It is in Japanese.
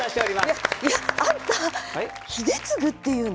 いやいやあんた英嗣っていうの？